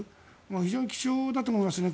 非常に貴重だと思いますね